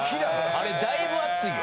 あれだいぶ厚いよ。